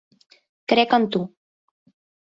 Crec en tu.